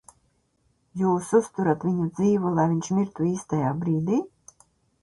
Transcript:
Jūs uzturat viņu dzīvu, lai viņš mirtu īstajā brīdī?